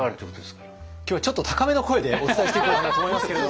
今日はちょっと高めの声でお伝えしていこうかなと思いますけれども。